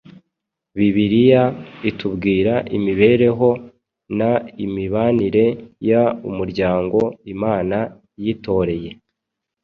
Bibiliya itubwira imibereho n‟imibanire y‟umuryango Imana yitoreye «